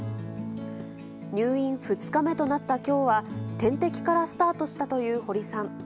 入院２日目となったきょうは、点滴からスタートしたという堀さん。